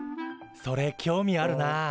それ興味あるな。